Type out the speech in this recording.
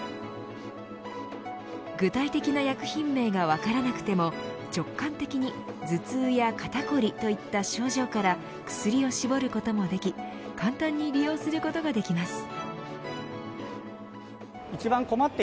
具体的な薬品名が分からなくても直感的に頭痛や肩こり、といった症状から薬を絞ることもでき簡単に利用することができます。